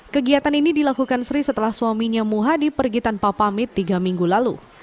kegiatan ini dilakukan sri setelah suaminya muhadi pergi tanpa pamit tiga minggu lalu